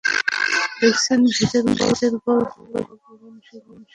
লিখেছেন ভূতের গল্প, হিরোর গল্প, মানুষের জীবনের ফেলে আসা স্মৃতি নিয়ে।